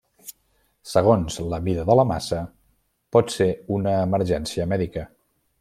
Segons la mida de la massa, pot ser una emergència mèdica.